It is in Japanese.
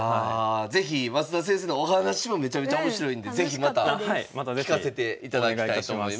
是非増田先生のお話もめちゃめちゃ面白いんで是非また聞かせていただきたいと思います。